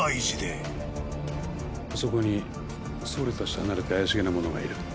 あそこに僧侶たちと離れて怪しげな者がいる。